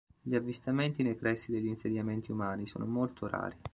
Gli avvistamenti nei pressi degli insediamenti umani sono molto rari.